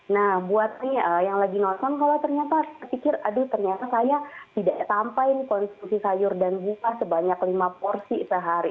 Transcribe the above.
nah buat saya yang lagi ngosong kalau ternyata saya tidak sampai konsumsi sayur dan buah sebanyak lima porsi sehari